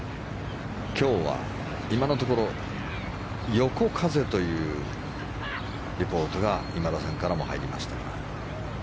今日は今のところ横風というリポートが今田さんからも入りましたが。